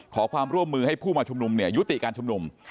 ขอความร่วมมือให้ผู้มาชุมนุมยุติการชุมนุม